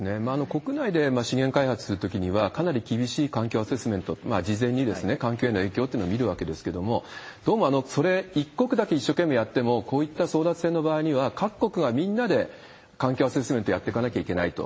国内で資源開発するときには、かなり厳しい環境アセスメント、事前に環境への影響っていうのを見るわけですけれども、どうもそれ、一国だけ一生懸命やっても、こういった争奪戦の場合には、各国がみんなで環境アセスメントやってかなきゃいけないと。